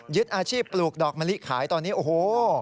อาชีพปลูกดอกมะลิขายตอนนี้โอ้โห